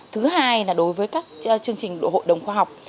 thứ hai là đối với các chương trình đội hội đồng khoa học